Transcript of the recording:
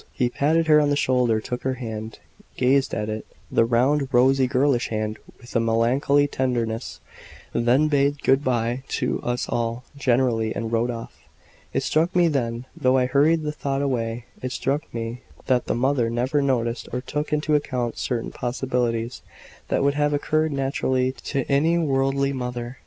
He patted her on the shoulder, took her hand, gazed at it the round, rosy, girlish hand with a melancholy tenderness; then bade "Good bye" to us all generally, and rode off. It struck me then, though I hurried the thought away it struck me afterwards, and does now with renewed surprise how strange it was that the mother never noticed or took into account certain possibilities that would have occurred naturally to any worldly mother.